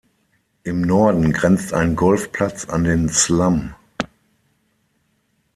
Im Norden grenzt ein Golfplatz an den Slum.